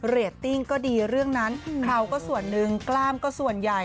เรตติ้งก็ดีเรื่องนั้นเขาก็ส่วนหนึ่งกล้ามก็ส่วนใหญ่